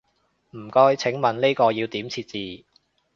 唔該，請問呢個要點設置？